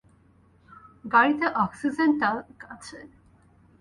গাড়িতে oxygen tank আছে।